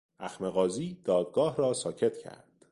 اخم قاضی، دادگاه را ساکت کرد.